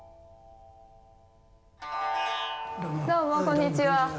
どうもこんにちは！